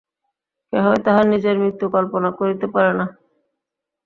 কেহই তাহার নিজের মৃত্যু কল্পনা করিতে পারে না।